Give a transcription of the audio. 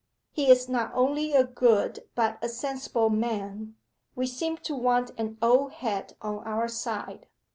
'He is not only a good, but a sensible man. We seem to want an old head on our side.